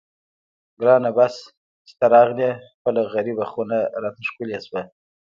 ګرانه بس چې ته راغلې خپله غریبه خونه راته ښکلې شوه.